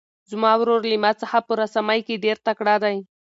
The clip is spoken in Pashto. زما ورور له ما څخه په رسامۍ کې ډېر تکړه دی.